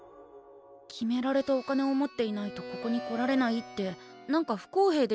決められたお金を持っていないとここに来られないって何か不公平ですよね。